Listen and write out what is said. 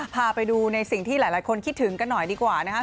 พาไปดูในสิ่งที่หลายคนคิดถึงกันหน่อยดีกว่านะคะ